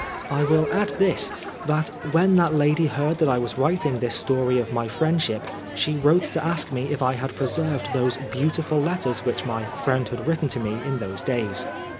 I will add this, that when that lady heard that I was writing this story of my friendship, she wrote to ask me if I had preserved those beautiful letters which my friend had written to me in those days.